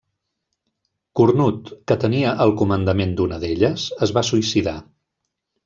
Cornut, que tenia el comandament d'una d'elles, es va suïcidar.